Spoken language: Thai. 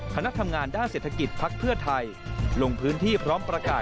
คณะทำงานด้านเศรษฐกิจภักดิ์เพื่อไทยลงพื้นที่พร้อมประกาศ